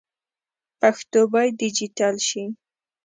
پښتو باید ډيجيټل سي.